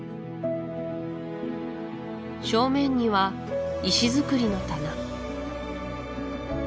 正面には石造りの棚